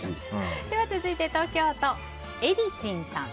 続いて、東京都の方。